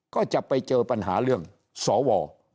ก็จะไปเจอปัญหาเรื่องสว